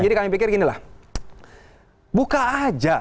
jadi kami pikir gini lah buka aja